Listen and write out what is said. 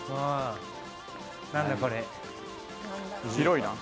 何だこれ？